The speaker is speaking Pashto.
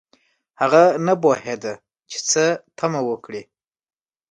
هغه نه پوهیده چې څه تمه وکړي